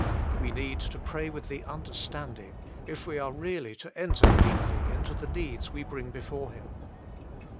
We need to pray with the understanding, if we are really to enter deeply into the needs we bring before Him.